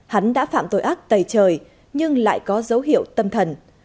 hắn đã phạm tội ác tầy trời nhưng lại có dấu hiệu tâm thần